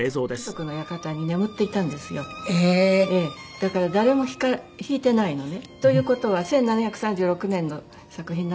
だから誰も弾いてないのね。という事は１７３６年の作品なんですが。